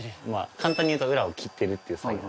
簡単に言うと裏を切ってるっていう作業。